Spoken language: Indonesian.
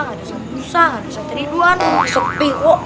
gak ada ustadz musa gak ada ustadz tidwan gak ada ustadz bewo